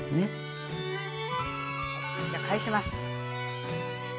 じゃ返します。